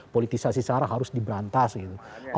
politisasi sarah harus diberantas gitu